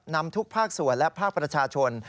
นำทุกภาคส่วนและภาคประชาชน